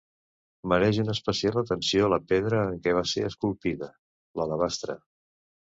Mereix una especial atenció la pedra en què va ser esculpida: l'alabastre.